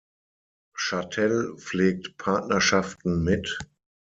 Châtel pflegt Partnerschaften mit